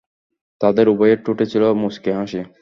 তাদের উভয়ের ঠোঁটে ছিল মুচকি হাসি।